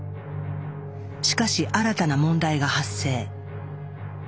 しかし新たな問題が発生。